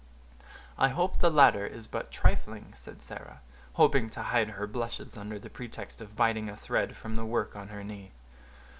"I hope the latter is but trifling," said Sarah, stooping to hide her blushes under the pretext of biting a thread from the work on her knee.